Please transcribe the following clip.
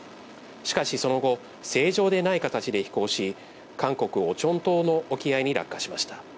しかしその後、正常でない形で飛行し、韓国・オチョン島の沖合に落下しました。